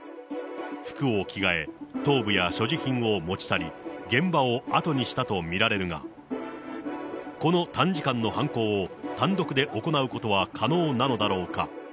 服を着替え、頭部や所持品を持ち去り、現場を後にしたと見られるが、この短時間の犯行を単独で行うことは可能なのだろうか。